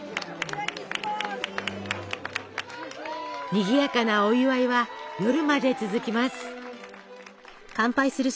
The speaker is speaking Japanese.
にぎやかなお祝いは夜まで続きます。